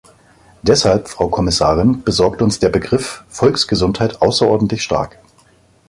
Deshalb, Frau Kommissarin, besorgt uns der Begriff der Volksgesundheit außerordentlich stark.